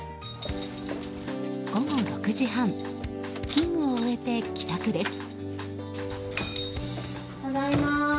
午後６時半勤務を終えて帰宅です。